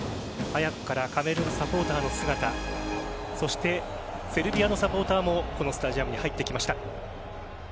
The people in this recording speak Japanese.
早くからカメルーンサポーターの姿そして、セルビアのサポーターもこのスタジアムに入ってきました。